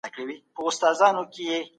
څنګه محکمه پر نورو هیوادونو اغیز کوي؟